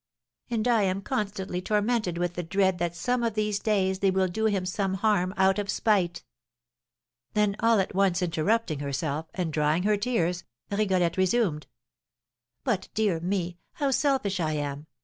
And I am constantly tormented with the dread that some of these days they will do him some harm out of spite." Then all at once interrupting herself, and drying her tears, Rigolette resumed: "But, dear me, how selfish I am!